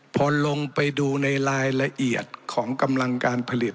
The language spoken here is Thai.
พอลงไปดูในรายละเอียดของกำลังการผลิต